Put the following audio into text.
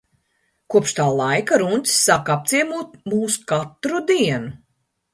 Kopš tā laika runcis sāka apciemot mūs katru dienu.